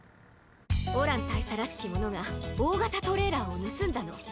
オラン大佐らしきものがおおがたトレーラーをぬすんだの。